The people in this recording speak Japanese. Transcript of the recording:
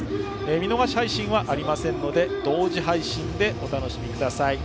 見逃し配信はありませんので同時配信でお楽しみください。